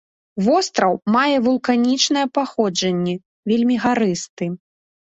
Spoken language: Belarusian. Востраў мае вулканічнае паходжанне, вельмі гарысты.